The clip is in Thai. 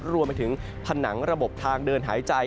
รวมไปถึงผนังระบบทางเดินหายใจ